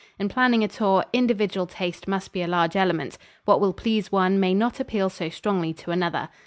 In planning a tour, individual taste must be a large element. What will please one may not appeal so strongly to another.